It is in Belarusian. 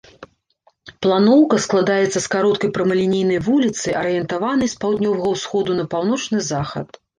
Планоўка складаецца з кароткай прамалінейнай вуліцы, арыентаванай з паўднёвага ўсходу на паўночны захад.